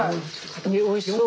おいしそう。